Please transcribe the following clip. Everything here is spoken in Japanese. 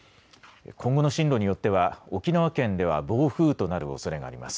今後の進路によっては沖縄県では暴風となるおそれがあります。